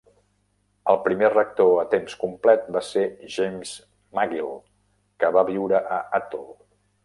El primer rector a temps complet va ser James Magill, que va viure a Athol.